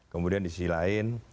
kemudian di sisi lain